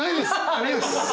ありがとうございます。